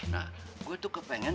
nah gue tuh kepengen